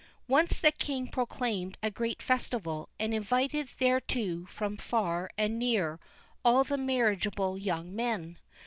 Once the king proclaimed a great festival, and invited thereto from far and near all the marriageable young men.